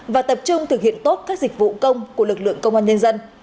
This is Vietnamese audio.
và tập trung thực hiện tốt các dịch vụ công của lực lượng công an nhân dân